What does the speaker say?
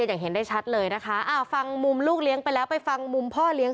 อย่างเห็นได้ชัดเลยนะคะอ่าฟังมุมลูกเลี้ยงไปแล้วไปฟังมุมพ่อเลี้ยง